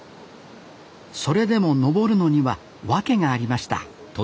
それでも登るのには訳がありました。